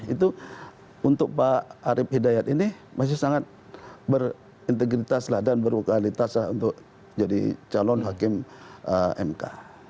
itu untuk pak arief hidayat ini masih sangat berintegritas lah dan berlukalitas untuk jadi calon hakim mk